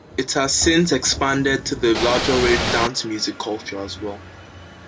It has since expanded to the larger rave dance music culture as well.